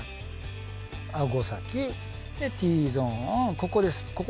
あご先Ｔゾーンをここですここは。